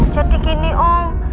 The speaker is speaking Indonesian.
jadi gini om